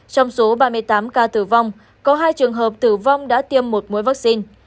trong số ba mươi tám ca tử vong có hai trường hợp tử vong đã tiêm một mũi vaccine